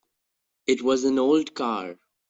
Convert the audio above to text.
It was an old car.